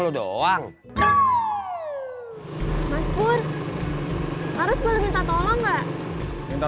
luminous dari be gosta sedia dan